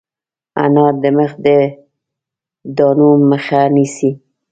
انار د مخ د دانو مخه نیسي.